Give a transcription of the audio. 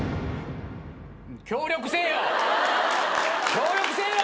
協力せえよ！